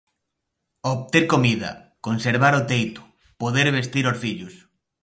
Obter comida, conservar o teito, poder vestir os fillos.